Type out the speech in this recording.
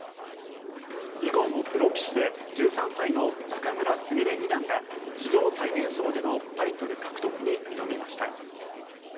囲碁のプロ棋士で１３歳の仲邑菫二段が史上最年少でのタイトル獲得に挑みました。